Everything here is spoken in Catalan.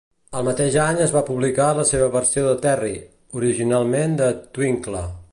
El mateix any es va publicar la seva versió de "Terry", originalment de Twinkle.